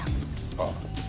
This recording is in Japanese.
ああ。